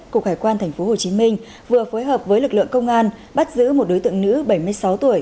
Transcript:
cục hải quan tp hcm vừa phối hợp với lực lượng công an bắt giữ một đối tượng nữ bảy mươi sáu tuổi